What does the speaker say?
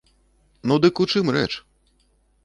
Ну, дык у чым рэч?